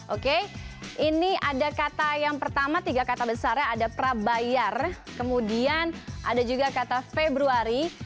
oke ini ada kata yang pertama tiga kata besarnya ada prabayar kemudian ada juga kata februari